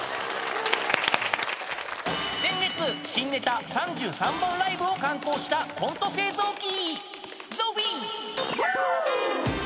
［先月新ネタ３３本ライブを敢行したコント製造機］